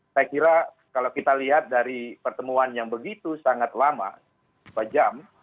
saya kira kalau kita lihat dari pertemuan yang begitu sangat lama dua jam